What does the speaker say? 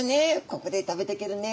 ここで食べていけるね